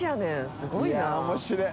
すごいないやっ面白い。